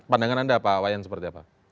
pandangan anda pak wayan seperti apa